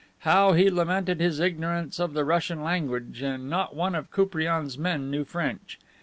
How he lamented his ignorance of the Russian language and not one of Koupriane's men knew French.